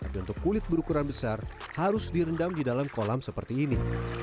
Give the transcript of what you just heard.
dan untuk kulit berukuran besar harus direndam di dalam kolam seperti ini